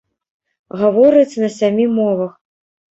Гаворыць на сямі мовах.